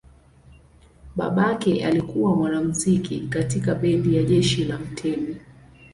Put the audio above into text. Babake alikuwa mwanamuziki katika bendi la jeshi la mtemi.